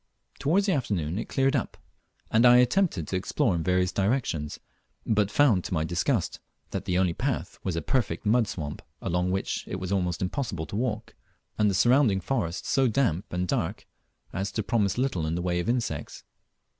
Towards the afternoon it cleared up, and I attempted to explore in various directions, but found to my disgust that the only path was a perfect mud swamp, along which it was almost impossible to walk, and the surrounding forest so damp and dark as to promise little in the way of insects.